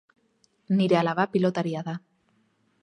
Nire alaba pilotaria da.